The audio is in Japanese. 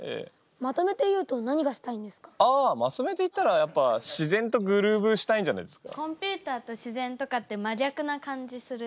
まとめて言ったらやっぱ自然とグルーヴしたいんじゃないですか？